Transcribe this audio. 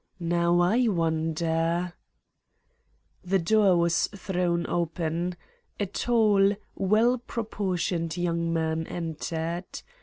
Now, I wonder " The door was thrown open. A tall, well proportioned young man entered.